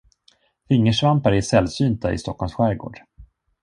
Fingersvampar är sällsynta i Stockholms skärgård.